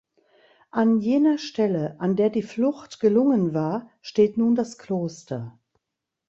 An jener Stelle, an der die Flucht gelungen war, steht nun das Kloster.